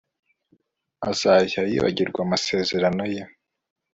Azajya yibagirwa amasezerano ye